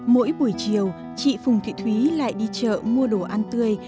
mỗi buổi chiều chị phùng thị thúy lại đi chợ mua đồ ăn tươi